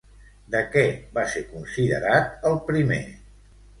De què va ser considerat el primer?